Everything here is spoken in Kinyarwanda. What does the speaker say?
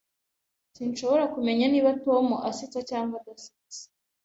Sinshobora kumenya niba Tom asetsa cyangwa adasetsa.